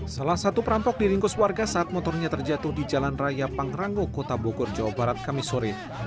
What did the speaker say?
salah satu perampok diringkus warga saat motornya terjatuh di jalan raya pangrango kota bogor jawa barat kamisore